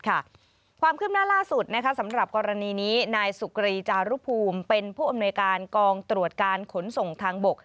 ความคืบหน้าล่าสุดสำหรับกรณีนี้นายสุกรีจารุภูมิเป็นผู้อำนวยการกองตรวจการขนส่งทางบก